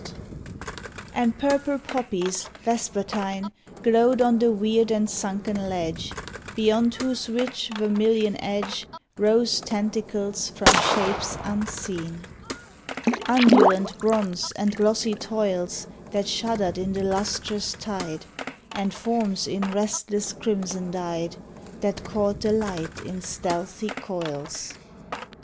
88 "THE GARDENS OF fHE SEA And purple poppies vespertine Glowed on the weird and sunken ledge, Beyond whose rich, vermillion edge Rose tentacles from shapes unseen — Undulant bronze and glossy toils That shuddered in the lustrous tide And forms in restless crimson dyed That caught the light in stealthy coils